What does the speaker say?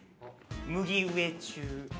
麦植え中。